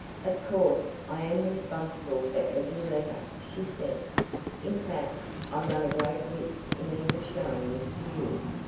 "Of course, I am responsible for every letter," she said. "In fact, I run a great risk in even showing this to you.